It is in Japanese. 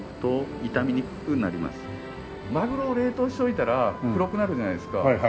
マグロを冷凍しておいたら黒くなるじゃないですか。